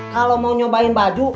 kalau mau nyobain baju